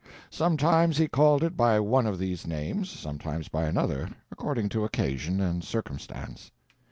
Sometimes he called it by one of these names, sometimes by another, according to occasion and circumstance.